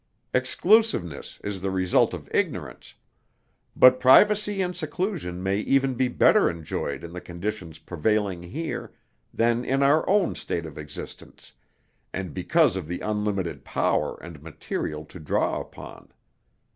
Exclusiveness is the result of ignorance, but privacy and seclusion may even be better enjoyed in the conditions prevailing here than in our own state of existence, and because of the unlimited power and material to draw upon.